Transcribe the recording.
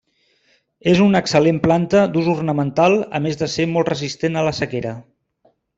És una excel·lent planta d'ús ornamental, a més de ser molt resistent a la sequera.